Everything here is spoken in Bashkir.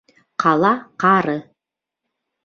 Ҡала ҡары